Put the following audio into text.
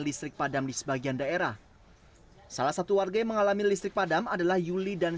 listrik padam di sebagian daerah salah satu warga yang mengalami listrik padam adalah yuli dan